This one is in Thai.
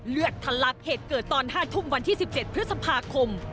เลือดทะลักเหตุเกิดตอน๕ทุ่มวันที่๑๗พฤษภาคม